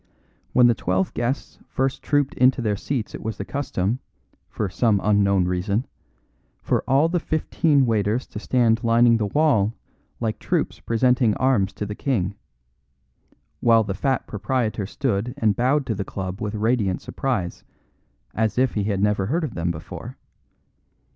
When the twelve guests first trooped into their seats it was the custom (for some unknown reason) for all the fifteen waiters to stand lining the wall like troops presenting arms to the king, while the fat proprietor stood and bowed to the club with radiant surprise, as if he had never heard of them before.